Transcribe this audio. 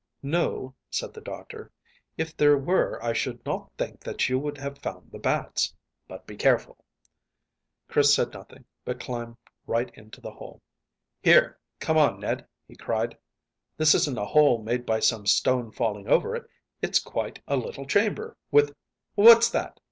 "No," said the doctor. "If there were I should not think that you would have found the bats. But be careful." Chris said nothing, but climbed right into the hole. "Here, come on, Ned," he cried; "this isn't a hole made by some stone falling over; it's quite a little chamber, with What's that?"